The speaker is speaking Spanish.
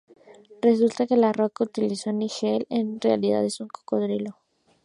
Resulta que la "roca" que utilizó Nigel es en realidad un cocodrilo.